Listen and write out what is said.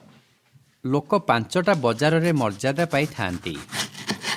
ଲୋକ ପାଞ୍ଚଟା ବଜାରରେ ମର୍ଯ୍ୟାଦା ପାଇ ଥାଅନ୍ତି ।